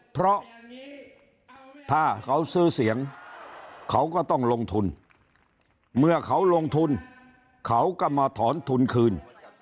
เพราะถ้าเขาซื้อเสียงเขาก็ต้องลงทุนเมื่อเขาลงทุนเขาก็มาถอนทุนคืน